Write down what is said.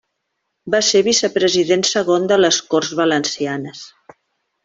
Va ser Vicepresident segon de les Corts Valencianes.